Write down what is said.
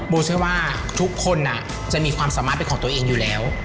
เชื่อว่าทุกคนจะมีความสามารถเป็นของตัวเองอยู่แล้ว